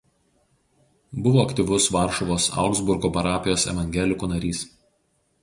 Buvo aktyvus Varšuvos Augsburgo parapijos evangelikų narys.